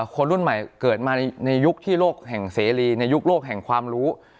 คนรุ่นใหม่เกิดมาในยุคที่โลกแห่งเสรีในยุคโลกแห่งความรู้